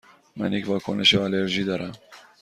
من یک واکنش آلرژی دارم.